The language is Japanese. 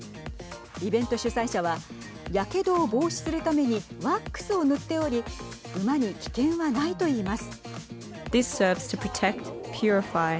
イベント主催者はやけどを防止するためにワックスを塗っており馬に危険はないと言います。